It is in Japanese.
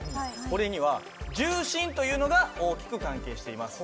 これには重心というのが大きく関係しています。